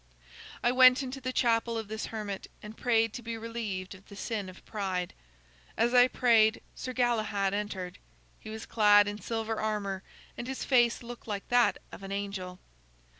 "I went into the chapel of this hermit, and prayed to be relieved of the sin of pride. As I prayed, Sir Galahad entered. He was clad in silver armor, and his face looked like that of an angel.